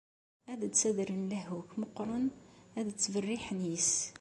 Ad d-ttadren lehhu-k meqqren, ad ttberriḥen yes-s.